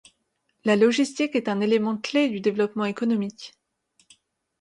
La logistique est un élément clé du développement économique.